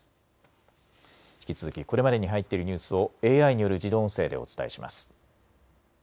引き続きこれまでに入っているニュースをＡＩによる自動音声でお伝えします。